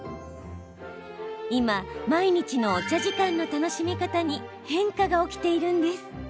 今、毎日のお茶時間の楽しみ方に変化が起きているんです。